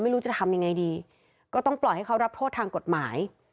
ไม่รู้จะทำยังไงดีก็ต้องปล่อยให้เขารับโทษทางกฎหมาย